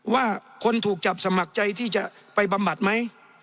ว่าคนถูกจับสมัครใจที่จะไปบำบัดไหม